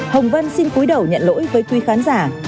hồng vân xin cúi đầu nhận lỗi với quý khán giả